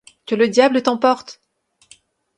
Que le diable t'emporte!